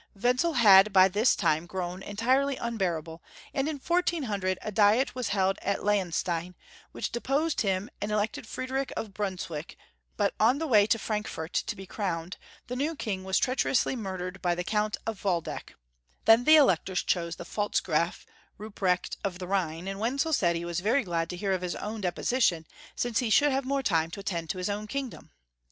Wenzel had by tliis time grown entire ly unbearable, and «=«!«,. in 1400 a diet was held at Laenstein, which de posed him and elected Friedrich of Brunswick ; but on the way to Frankfort to be crowned the 232 Young Folks'^ History of Germany. new King was treacherously murdered by the Count of Waldeck. Then the Electors chose the Efalzgraf Ruprecht of the Rliine, and Wenzel said he was very glad to hear of his own deposition, since he should have more time to attend to liis own kingdom.